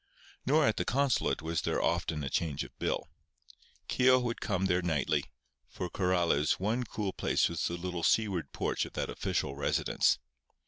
Nor at the consulate was there often a change of bill. Keogh would come there nightly, for Coralio's one cool place was the little seaward porch of that official residence.